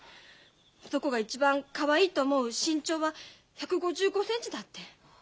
男が一番かわいいと思う身長は１５５センチだって雑誌に書いてあった。